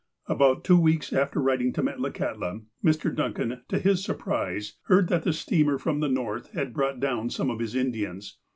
About two weeks after writing to Metlakahtla, Mr. Duncan, to his surprise, heard that the steamer from the North had brought down some of his Indians.